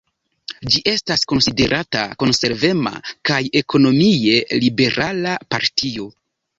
Ĝi estas konsiderata konservema kaj ekonomie liberala partio.